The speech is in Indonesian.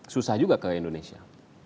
susah juga ke indonesia